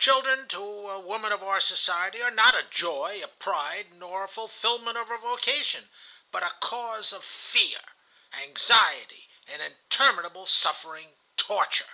Children, to a woman of our society, are not a joy, a pride, nor a fulfilment of her vocation, but a cause of fear, anxiety, and interminable suffering, torture.